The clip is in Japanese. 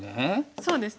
そうですね